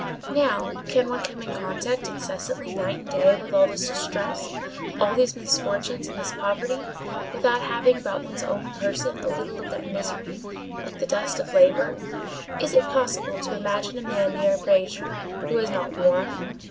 Now, can one come in contact incessantly night and day with all this distress, all these misfortunes, and this poverty, without having about one's own person a little of that misery, like the dust of labor? Is it possible to imagine a man near a brazier who is not warm?